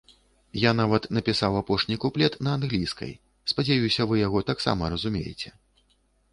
Я нават напісаў апошні куплет на англійскай, спадзяюся, вы яго таксама разумееце.